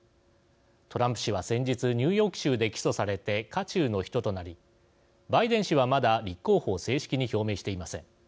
トランプ氏は先日ニューヨーク州で起訴されて渦中の人となりバイデン氏はまだ立候補を正式に表明していません。